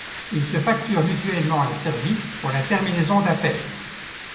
Ils se facturent mutuellement les services pour la terminaison d'appel.